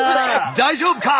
大丈夫かあ？